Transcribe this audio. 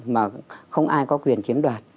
mà không ai có quyền chiếm đoạt